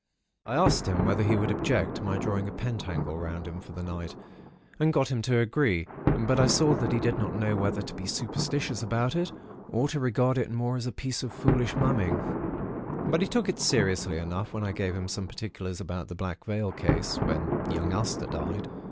"I asked him whether he would object to my drawing a pentacle round him, for the night, and got him to agree; but I saw that he did not know whether to be superstitious about it, or to regard it more as a piece of foolish mumming; but he took it seriously enough, when I gave him some particulars about the Black Veil case, when young Aster died.